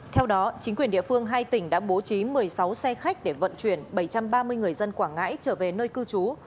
theo đó chính quyền địa phương hai tỉnh đã bố trí một mươi sáu xe khách để vận chuyển bảy trăm ba mươi người dân quảng ngãi trở về nơi cư trú